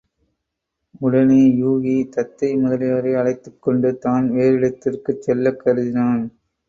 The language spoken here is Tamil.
உடனே யூகி, தத்தை முதலியோரை அழைத்துக்கொண்டு தான் வேறிடத்திற்குச் செல்லக் கருதினான்.